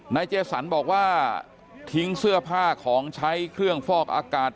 เจสันบอกว่าทิ้งเสื้อผ้าของใช้เครื่องฟอกอากาศ